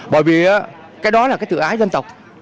bởi vì cái đó là cái tự ái dân tộc